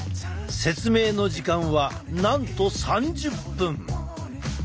説明の時間はなんと３０分！